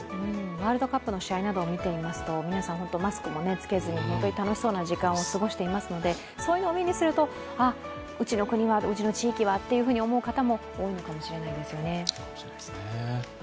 ワールドカップの試合などを見ていますと、皆さん、マスクもつけずに本当に楽しそうな時間を過ごしていますのでそういうのを目にすると、うちの国は、うちの地域はって思う人も多いのかもしれないですね。